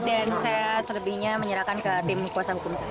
dan saya selebihnya menyerahkan ke tim kuasa hukum saya